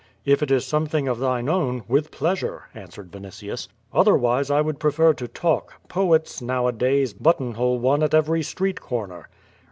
"If it is something of thine own — with pleasure," answered Vinitius. Otherwise I would prefer to talk. Poets, now a days, button hole one at every street corner."